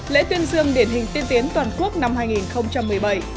lễ tuyên dương điển hình tiên tiến toàn quốc năm hai nghìn một mươi bảy